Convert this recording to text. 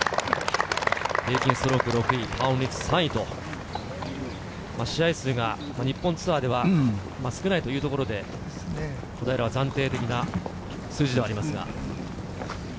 平均ストローク６位、パーオン率３位、試合数が日本ツアーでは少ないということで、小平は暫定的な数字ではあります。